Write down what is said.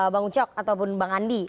bang ucok ataupun bang andi